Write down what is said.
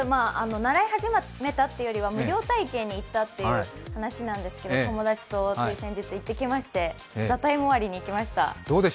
習い始めたというよりは無料体験に行ったという話なんですけど友達とつい先日行ってきまして、「ＴＨＥＴＩＭＥ，」終わりに行きました。